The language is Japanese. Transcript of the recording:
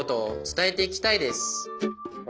つたえていきたいです